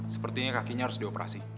sepertinya kakinya harus dioperasi